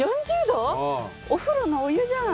お風呂のお湯じゃん。